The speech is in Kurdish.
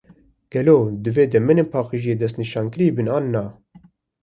Gelo, divê demên paqijiyê destnîşankirî bin, an na?